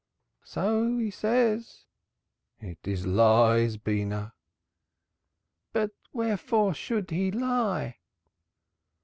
"So he says." "It is lies, Beenah." "But wherefore should he lie?"